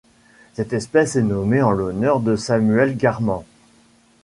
Cette espèce est nommée en l'honneur de Samuel Garman.